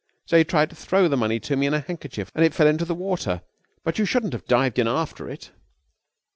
So he tried to throw the money to me in a handkerchief and it fell into the water. But you shouldn't have dived in after it."